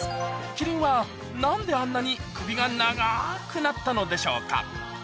キリンはなんであんなに首が長ーくなったのでしょうか？